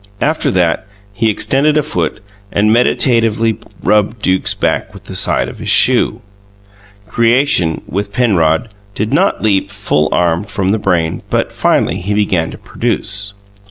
After that, he extended a foot and meditatively rubbed Duke's back with the side of his shoe. Creation, with Penrod, did not leap, full armed, from the brain; but finally he began to produce.